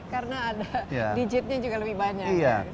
karena ada digitnya juga lebih banyak